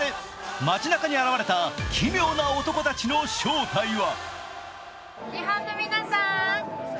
街中に現れた奇妙な男たちの正体は？